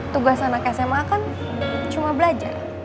tugas anak sma kan cuma belajar